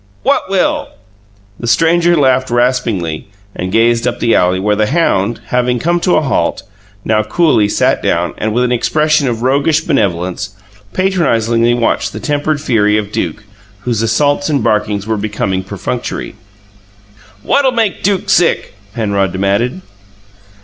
"What will?" The stranger laughed raspingly and gazed up the alley, where the hound, having come to a halt, now coolly sat down, and, with an expression of roguish benevolence, patronizingly watched the tempered fury of Duke, whose assaults and barkings were becoming perfunctory. "What'll make Duke sick?" Penrod demanded.